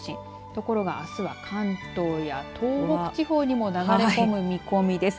ところがあすは関東や東北地方にも流れ込む見込みです。